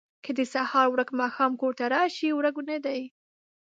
که د سهار ورک ماښام کور ته راشي، ورک نه دی.